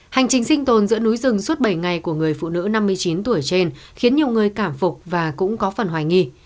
hành trình sinh tồn giữa núi rừng suốt bảy ngày của người phụ nữ năm mươi chín tuổi trên khiến nhiều người cảm phục và cũng có phần hoài nghi